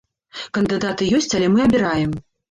Кандыдаты ёсць, але мы абіраем.